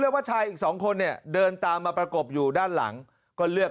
ว่าชายอีกสองคนเนี่ยเดินตามมาประกบอยู่ด้านหลังก็เลือก